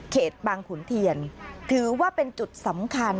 บางขุนเทียนถือว่าเป็นจุดสำคัญ